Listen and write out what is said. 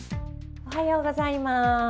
おはようございます。